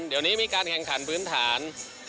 เดี๋ยวนี้มีการแข่งขันพื้นฐาน